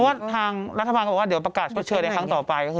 เพราะว่าทางรัฐบาลก็บอกว่าเดี๋ยวประกาศชดเชยในครั้งต่อไป